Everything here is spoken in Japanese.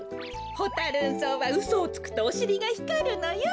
ホタ・ルン草はうそをつくとおしりがひかるのよ。